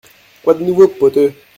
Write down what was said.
Quoi de nouveau, Poteu ?